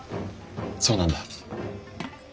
そうなんだ。